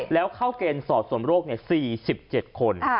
แล้วเข้าเกณฑ์สอบส่วนโรค๔๗คน